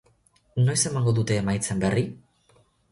Noiz emango dute emaitzen berri?